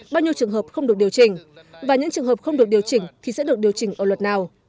bao nhiêu trường hợp không được điều chỉnh và những trường hợp không được điều chỉnh thì sẽ được điều chỉnh ở luật nào